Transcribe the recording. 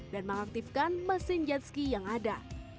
dan mengaktifkan mesin jet ski yang ada